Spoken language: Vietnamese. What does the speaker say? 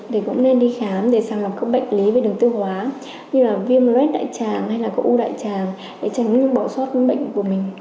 thì cũng nên đi khám để sáng lập các bệnh lý về đường tiêu hóa như là viêm red đại tràng hay là cầu u đại tràng để tránh những bỏ sót bệnh của mình